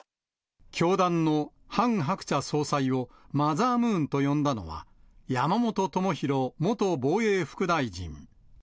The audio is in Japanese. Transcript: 教団のハン・ハクチャ総裁をマザームーンと呼んだのは、山本朋広元防衛副大臣。